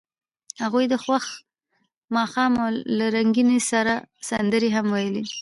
هغوی د خوښ ماښام له رنګونو سره سندرې هم ویلې.